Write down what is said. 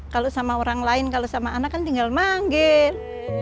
kalau sama orang lain kalau sama anak kan tinggal manggil